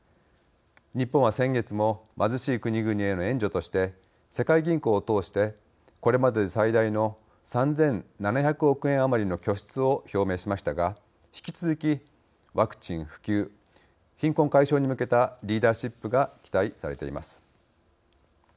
日本は先月も貧しい国々への援助として世界銀行を通してこれまでで最大の３，７００億円余りの拠出を表明しましたが引き続きワクチン普及貧困解消に向けたリーダーシップが期待されています。